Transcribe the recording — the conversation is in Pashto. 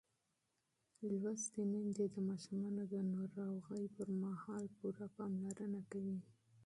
تعلیم لرونکې میندې د ماشومانو د ناروغۍ پر مهال پوره پاملرنه کوي.